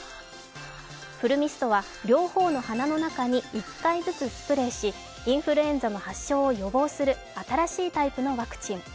フルミストは両方の鼻の中に１回ずつスプレーし、インフルエンザの発症を予防する新しいタイプのワクチン。